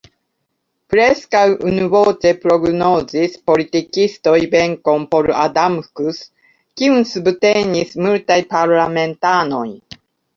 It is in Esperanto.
Preskaŭ unuvoĉe prognozis politikistoj venkon por Adamkus, kiun subtenis multaj parlamentanoj.